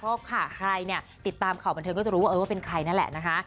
เพราะค่ะใครเนี่ยติดตามข่าวบันเทิงก็จะรู้ว่าเออว่าเป็นใครนั่นแหละนะคะ